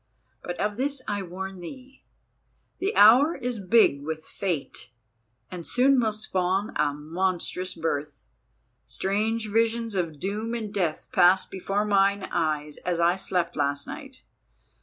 But of this I warn thee, the hour is big with Fate, and soon will spawn a monstrous birth. Strange visions of doom and death passed before mine eyes as I slept last night.